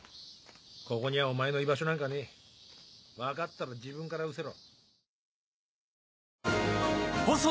ここにはお前の居場所なんかねえ分かったら自分からうせろ。